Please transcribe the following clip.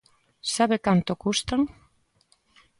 ¿Sabe canto custan?